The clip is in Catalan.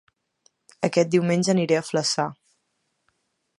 Aquest diumenge aniré a Flaçà